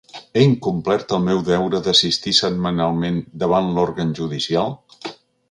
He incomplert el meu deure d’assistir setmanalment davant l’òrgan judicial?